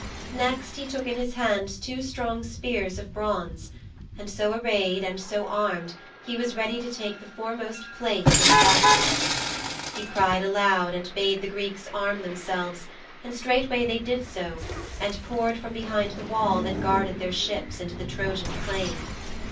Next he took in his hands two strong spears of bronze, and so arrayed and so armed he was ready to take the foremost place in the battle.' 'He cried aloud and bade the Greeks arm themselves, and straightway they did so and poured from behind the wall that guarded their ships into the Trojan plain.